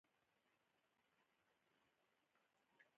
ښه چلند د هر پلور نښه ده.